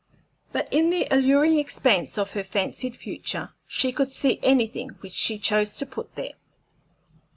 But in the alluring expanse of her fancied future she could see anything which she chose to put there.